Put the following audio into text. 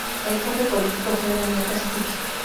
El jefe político fue Daniel Castillo.